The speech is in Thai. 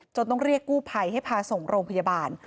ต้องเรียกกู้ภัยให้พาส่งโรงพยาบาล